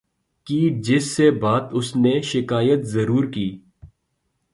کی جس سے بات اسنے شکایت ضرور کی